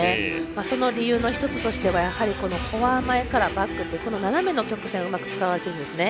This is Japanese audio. その理由の１つとしてはフォア前から、バックという斜めの曲線をうまく使われているんですね。